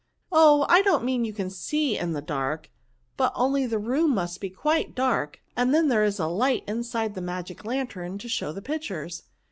*'" Oh! I don't mean you can see in the darky but only the room must be quite dark ; and then there is a light inside the magic lantern to show the pictures.